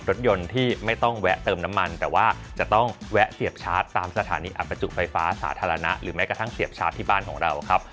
รถยนต์ที่ไม่ต้องแวะเติมน้ำมันแต่ว่าจะต้องแวะเสียบชาร์จตามสถานีอับประจุไฟฟ้าสาธารณะหรือแม้กระทั่งเสียบชาร์จที่บ้านของเราครับ